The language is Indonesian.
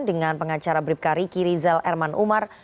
dengan pengacara bribka riki rizal erman umar